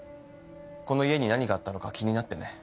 この家に何があったのか気になってね。